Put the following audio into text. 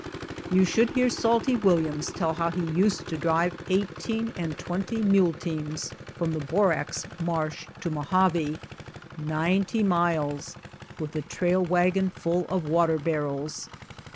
You should hear Salty Williams tell how he used to drive eighteen and twenty mule teams from the borax marsh to Mojave, ninety miles, with the trail wagon full of water barrels.